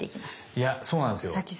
いやそうなんですよ。